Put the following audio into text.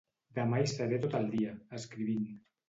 Demà hi seré tot el dia, escrivint.